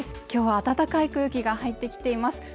今日は暖かい空気が入ってきています